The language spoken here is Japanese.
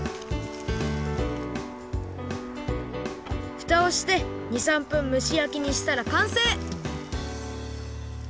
ふたをして２３分むしやきにしたらかんせい！